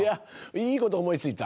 いいこと思い付いた。